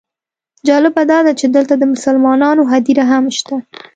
جالبه داده چې دلته د مسلمانانو هدیره هم شته.